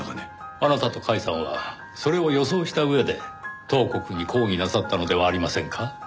あなたと甲斐さんはそれを予想した上で東国に抗議なさったのではありませんか？